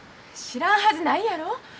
知らんはずないやろ。